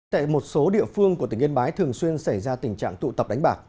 tại một số địa phương của tỉnh yên bái thường xuyên xảy ra tình trạng tụ tập đánh bạc